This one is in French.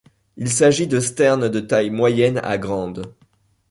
Il s'agit de sternes de taille moyenne à grande.